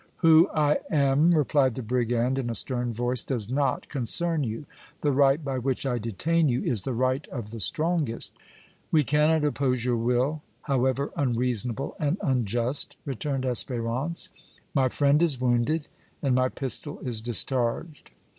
"Who I am," replied the brigand, in a stern voice, "does not concern you. The right by which I detain you is the right of the strongest!" "We cannot oppose your will, however unreasonable and unjust," returned Espérance; "my friend is wounded and my pistol is discharged.